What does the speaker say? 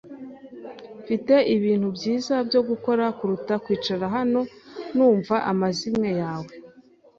Mfite ibintu byiza byo gukora kuruta kwicara hano numva amazimwe yawe.